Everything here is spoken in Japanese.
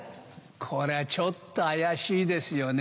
こりゃちょっと怪しいですよね。